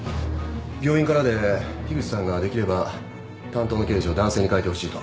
病院からで樋口さんができれば担当の刑事を男性に代えてほしいと。